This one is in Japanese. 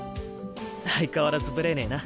相変わらずぶれねぇな。